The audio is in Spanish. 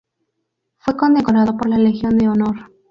Fue condecorado por la Legión de Honor.